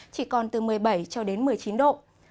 chỉ còn từ một mươi bảy cho đến một mươi chín độ